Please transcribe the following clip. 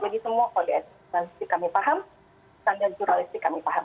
jadi semua kode etik jurnalistik kami paham standar jurnalistik kami paham